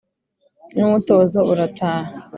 n’umutozo urataha